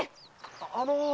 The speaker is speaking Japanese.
あの。